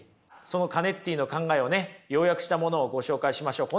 そのカネッティの考えをね要約したものをご紹介しましょう。